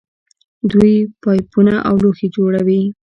دوی پایپونه او لوښي جوړوي.